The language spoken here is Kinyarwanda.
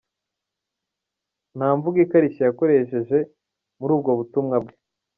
Nta mvugo ikarishye yakoresheje muri ubwo butumwa bwe.